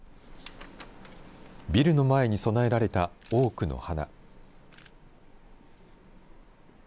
ビルの前に供えられた多くの花。